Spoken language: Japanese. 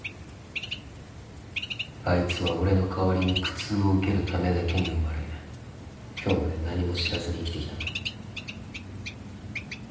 あいつは俺の代わりに苦痛を受けるためだけに生まれ今日まで何も知らずに生きてきたんだ。